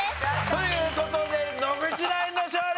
という事で野口ナインの勝利！